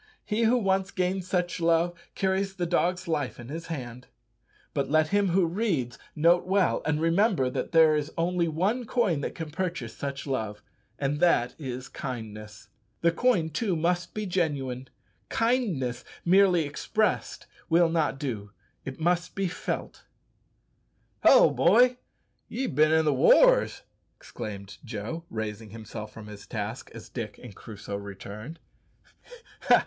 He who once gains such love carries the dog's life in his hand. But let him who reads note well, and remember that there is only one coin that can purchase such love, and that is kindness. The coin, too, must be genuine. Kindness merely expressed will not do, it must be felt. "Hallo, boy, ye've bin i' the wars!" exclaimed Joe, raising himself from his task as Dick and Crusoe returned.